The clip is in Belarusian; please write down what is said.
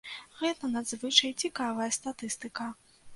Гэта надзвычай цікавая статыстыка.